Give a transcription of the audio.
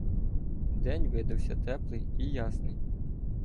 День видався теплий і ясний.